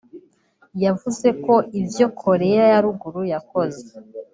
yavuze ko ivyo Korea ya Ruguru yakoze